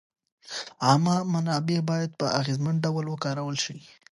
عامه منابع باید په اغېزمن ډول وکارول شي.